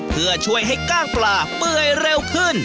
เพื่อช่วยให้กล้างปลาเปื่อยเร็วขึ้น